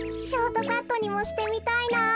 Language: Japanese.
ショートカットにもしてみたいな。